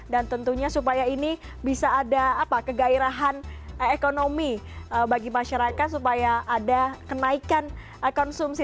dan tentunya supaya ini bisa ada kegairahan ekonomi bagi masyarakat supaya ada kenaikan konsumsi